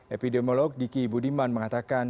epidemiolog diki budiman mengatakan